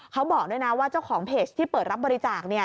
เขาบอกด้วยนะว่าเจ้าของเพจที่เปิดรับบริจาคเนี่ย